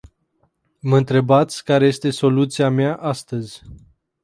Mă întrebați care este soluția mea astăzi.